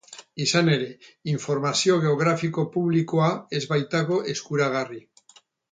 Izan ere, informazio geografiko publikoa ez baitago eskuragarri.